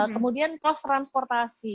kemudian pos transportasi